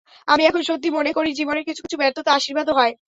আমি এখন সত্যি মনে করি, জীবনের কিছু কিছু ব্যর্থতা আশীর্বাদও হয়।